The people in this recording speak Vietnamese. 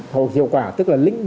hầu hiệu quả tức là những lĩnh vực